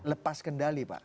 lepas kendali pak